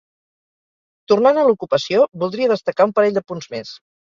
Tornant a l’ocupació, voldria destacar un parell de punts més.